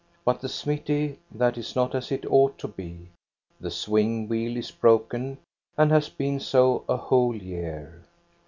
But the smithy, that is not as it ought to be: the swing wheel is broken, and has been so a whole year.